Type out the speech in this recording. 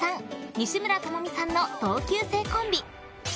西村知美さんの同級生コンビ！